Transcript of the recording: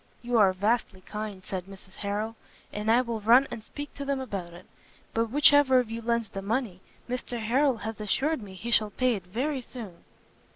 "You are vastly kind," said Mrs Harrel, "and I will run and speak to them about it: but which ever of you lends the money, Mr Harrel has assured me he shall pay it very soon."